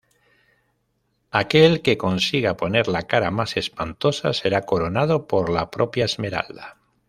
Aquel que consiga poner la cara más espantosa será coronado por la propia Esmeralda.